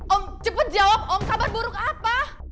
om cepet jawab om kabar buruk apa